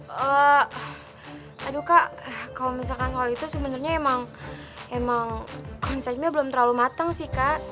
ehh aduh kak kalo misalkan soal itu sebenernya emang emang konsepnya belum terlalu mateng sih kak